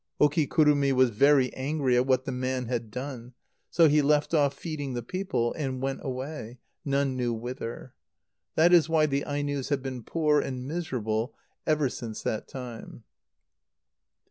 Okikurumi was very angry at what the man had done. So he left off feeding the people, and went away, none, knew whither. That is why the Ainos have been poor and miserable ever since that time.